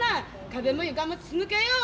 壁も床も筒抜けよ！